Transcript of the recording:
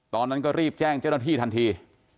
ตอนนั้นก็รีบแจ้งเจ้าหน้าที่ทันที